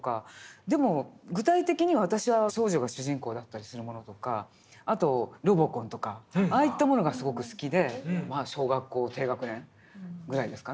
でも具体的に私は少女が主人公だったりするものとかあと「ロボコン」とかああいったものがすごく好きで小学校低学年ぐらいですかね。